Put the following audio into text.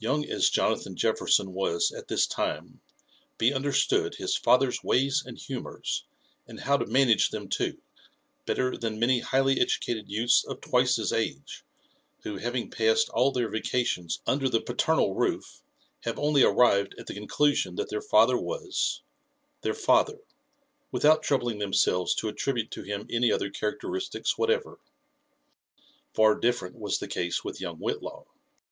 Young as Jonathan Jefferson was at this time, be understood his father's ways and humours, and how to manage them too, better than many highly educated youths pf twice his age, who, having passed all their vacations under the paternal roof, have only arrived at the con clusion that their father was — their father, without troubling them selves to attribute to him any other characteristics whatever. Far different was the case with young Whitlaw.